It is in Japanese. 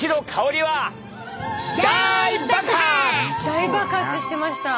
大爆発してました。